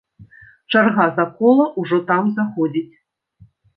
Чарга за кола ўжо там заходзіць.